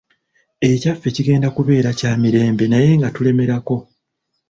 Ekyaffe kigenda kubeera kya mirembe naye nga tulemerako.